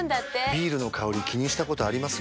ビールの香り気にしたことあります？